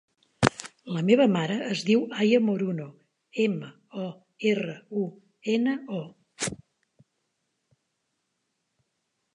La meva mare es diu Aya Moruno: ema, o, erra, u, ena, o.